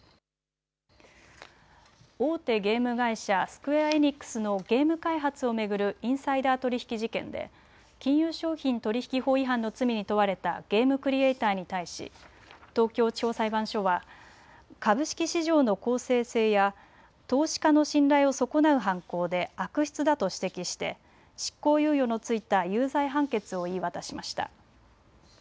大手ゲーム会社、スクウェア・エニックスのゲーム開発を巡るインサイダー取引事件で金融商品取引法違反の罪に問われたゲームクリエーターに対し東京地方裁判所は株式市場の公正性や投資家の信頼を損なう犯行で悪質だと指摘して執行猶予の付いた有罪判決を言い渡しました。